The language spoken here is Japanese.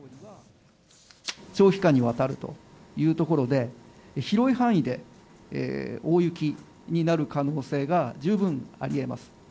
長期間にわたるというところで、広い範囲で大雪になる可能性が十分ありえます。